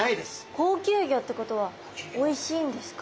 高級魚ってことはおいしいんですか？